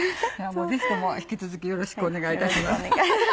ぜひとも引き続きよろしくお願いいたします。